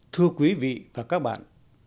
thưa quý vị và các bạn